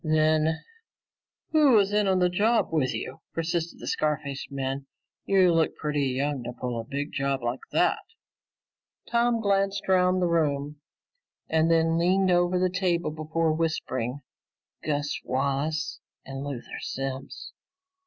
"Then who was in on this job with you?" persisted the scar faced man. "You look pretty young to pull a big job like that." Tom glanced around the room and then leaned over the table before whispering, "Gus Wallace and Luther Simms."